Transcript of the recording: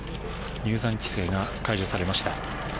入山規制が解除されました。